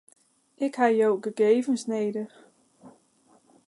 Ik ha jo gegevens nedich.